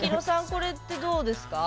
これってどうですか？